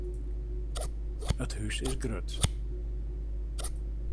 It hús is grut.